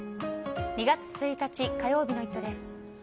２月１日、火曜日の「イット！」です。